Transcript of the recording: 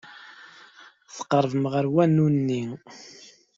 Tqerrbem ɣer wanu-nni.